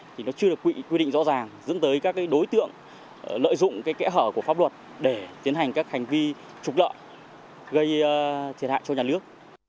thì nó chưa được quy định rõ ràng dẫn tới các đối tượng lợi dụng kẽ hở của pháp luật để tiến hành các hành vi trục lợi gây thiệt hại cho nhà nước